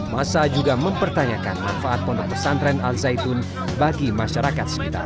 masa juga mempertanyakan manfaat pondok pesantren al zaitun bagi masyarakat sekitar